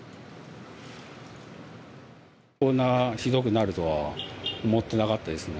こんなひどくなるとは思ってなかったですね。